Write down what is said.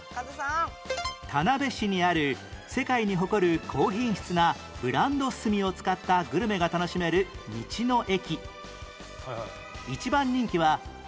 田辺市にある世界に誇る高品質なブランド炭を使ったグルメが楽しめる道の駅